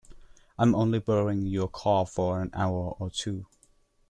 I’m only borrowing your car for an hour or two.